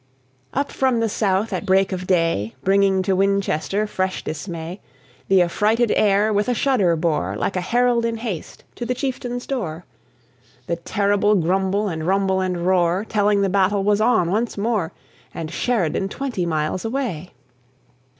Up from the South at break of day, Bringing to Winchester fresh dismay, The affrighted air with a shudder bore, Like a herald in haste, to the chieftain's door, The terrible grumble, and rumble, and roar, Telling the battle was on once more, And Sheridan twenty miles away.